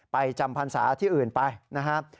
จำพรรษาที่อื่นไปนะครับ